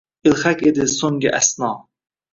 Ilhaq edi soʼnggi asno